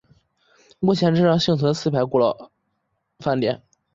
目前镇上幸存四排古老板店。